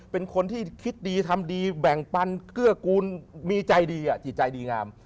เป็นคนที่คิดดีทำดีแบ่งปันเกื้อกูลมีใจดีจิตใจดีงาม